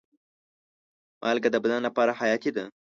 مالګه د بدن لپاره حیاتي ده.